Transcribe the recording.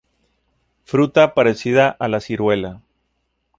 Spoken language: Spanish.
Fruta parecida a la ciruela.